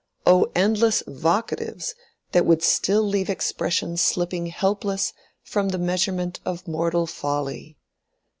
O endless vocatives that would still leave expression slipping helpless from the measurement of mortal folly!